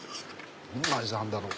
どんな味なんだろう？